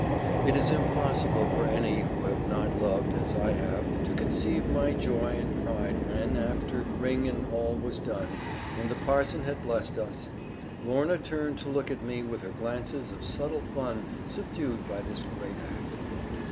It is impossible for any who have not loved as I have to conceive my joy and pride when, after ring and all was done, and the parson had blessed us, Lorna turned to look at me with her glances of subtle fun subdued by this great act.